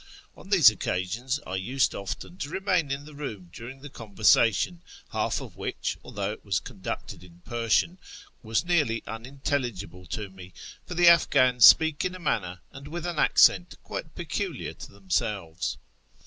On these occasions I used often to remain in the room during the conversation, half of which, although it was conducted in Persian, was nearly iinintelligible to me ; for the Afghans speak in a manner and with an accent quite peculiar to themselves.